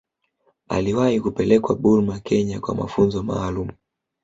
Aliwahi kupelekwa Burma Kenya kwa mafunzo maalumu